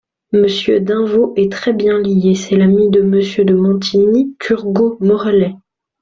Monsieur d'Invaux est très-bien lié : c'est l'ami de MMonsieur de Montigny, Turgot, Morellet.